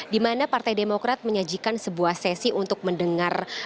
di mana partai demokrat menyajikan sebuah sesi untuk mendengar